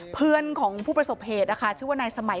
เพื่อนของผู้ประสบเหตุนะคะชื่อว่านายสมัย